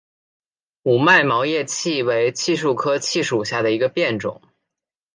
五脉毛叶槭为槭树科槭属下的一个变种。